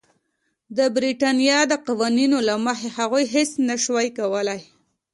د برېټانیا د قوانینو له مخې هغوی هېڅ نه شوای کولای.